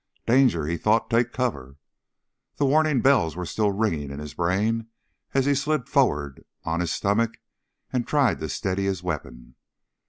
Danger, he thought, take cover. The warning bells were still ringing in his brain as he slid forward on his stomach and tried to steady his weapon.